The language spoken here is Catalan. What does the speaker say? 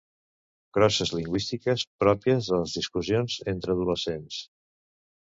crosses lingüístiques pròpies de les discussions entre adolescents